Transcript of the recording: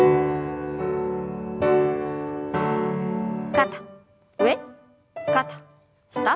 肩上肩下。